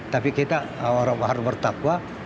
tapi kita orang baru bertakwa